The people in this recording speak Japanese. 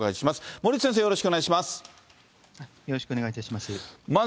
森内先生、よろしくお願いいたします。